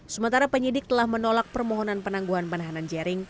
sementara penyidik telah menolak permohonan penangguhan penahanan jering